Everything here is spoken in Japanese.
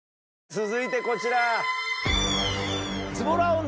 続いてこちら。